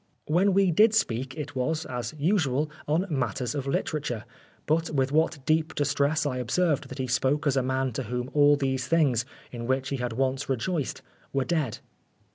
When we did speak, it was, as usual, on matters of literature, but with what deep distress I observed that he spoke as a man to whom all these things, in which he had once rejoiced, were dead.